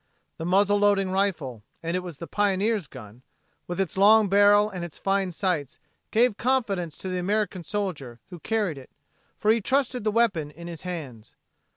The muzzle loading rifle and it was the pioneer's gun with its long barrel and its fine sights, gave confidence to the American soldier who carried it, for he trusted the weapon in his hands.